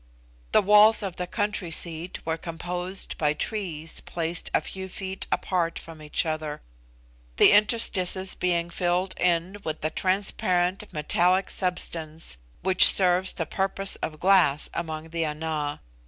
The walls of the country seat were composed by trees placed a few feet apart from each other, the interstices being filled in with the transparent metallic substance which serves the purpose of glass among the Ana.